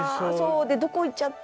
どこいっちゃった？